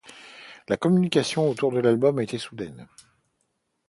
La communication autour de l'album a été soudaine.